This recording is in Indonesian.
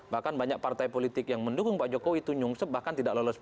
bahkan banyak partai politik yang mendukung pak jokowi itu nyungsep bahkan tidak lolos